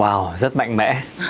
wow rất mạnh mẽ